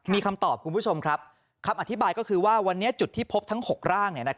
มีคำตอบคุณผู้ชมครับคำอธิบายก็คือว่าวันนี้จุดที่พบทั้ง๖ร่าง